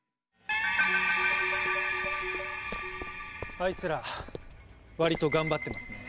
あいつら割と頑張ってますね。